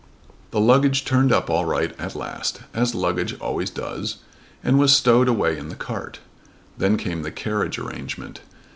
The luggage turned up all right at last, as luggage always does, and was stowed away in the cart. Then came the carriage arrangement.